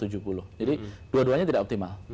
jadi dua duanya tidak optimal